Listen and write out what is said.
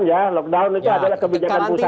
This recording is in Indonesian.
ini adalah hal yang menyebabkan keputusan gubernur